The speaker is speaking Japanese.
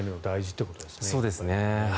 そうですね。